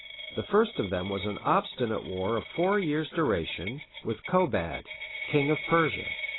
The first of them was an obstinate war of four years' duration, with Kobad, King of Persia.